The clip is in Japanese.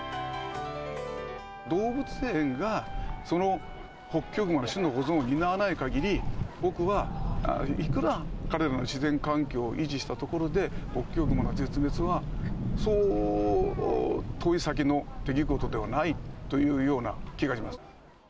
動物園がそのホッキョクグマの種の保存を担わないかぎり、僕はいくら彼らの自然環境を維持したところで、ホッキョクグマの絶滅は、そう遠い先の出来事ではないという気がします。